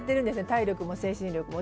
体力も精神力も。